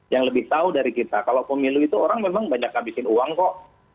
yang lebih tahu dari kita kalau pemilu itu orang memang banyak habisin uang kok